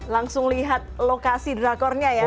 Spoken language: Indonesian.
langsung lihat lokasi drakornya ya